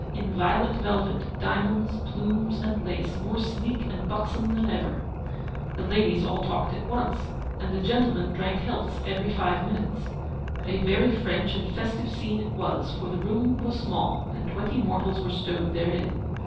in violet velvet, diamonds, plumes, and lace, more sleek and buxom than ever. The ladies all talked at once, and the gentlemen drank healths every five minutes. A very French and festive scene it was; for the room was small, and twenty mortals were stowed therein.